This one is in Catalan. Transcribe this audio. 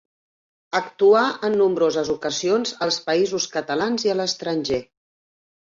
Actuà en nombroses ocasions als Països Catalans i a l'estranger.